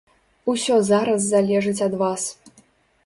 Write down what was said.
Усё зараз залежыць ад вас.